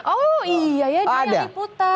oh iya ya dia yang liputan